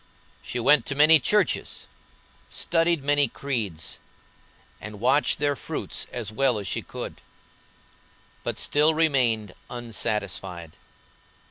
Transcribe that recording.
She went to many churches, studied many creeds, and watched their fruits as well as she could; but still remained unsatisfied.